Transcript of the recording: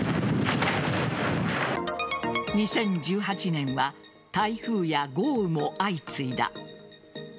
２０１８年は台風や豪雨も相次いだ。